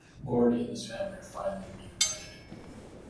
Gordy and his family are finally reunited.